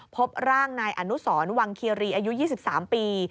พบร่างนายอนุสรวังคีรีอายุ๒๓ปี